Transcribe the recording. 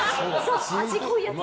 味、濃いやつね。